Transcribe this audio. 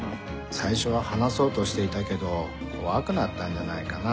最初は話そうとしていたけど怖くなったんじゃないかな。